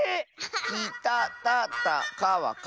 「き・た・た・た・か」は「か・た・た・た・き」。